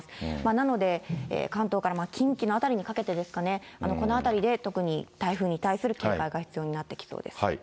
なので、関東から近畿の辺りにかけてですかね、このあたりで特に台風に対する警戒が必要になってきそうです。